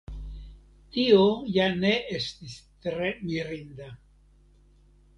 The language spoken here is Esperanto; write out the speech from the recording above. Tio ja ne estis tre mirinda.